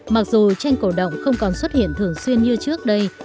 mặc dù tranh cổ động không còn xuất hiện thường xuyên như trước đây